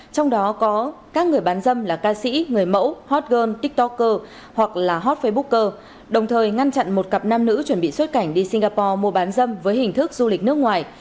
trong đó có các người bán dâm là ca sĩ người mẫu hot girl tiktoker hoặc là hot facebooker đồng thời ngăn chặn một cặp nam nữ chuẩn bị xuất cảnh đi singapore mua bán dâm với hình thức du lịch nước ngoài